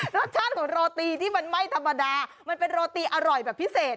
รสชาติของโรตีที่มันไม่ธรรมดามันเป็นโรตีอร่อยแบบพิเศษ